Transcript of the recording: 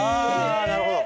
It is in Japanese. あなるほど。